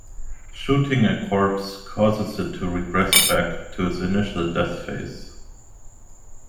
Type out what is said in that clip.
Shooting a corpse causes it to regress back to its initial death phase.